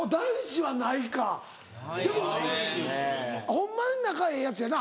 ホンマに仲ええヤツやな。